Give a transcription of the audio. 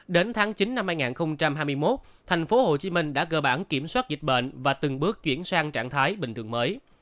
đến tháng chín năm hai nghìn hai mươi một tp hcm đã cơ bản kiểm soát dịch bệnh và từng bước chuyển sang trạng thái bình thường mới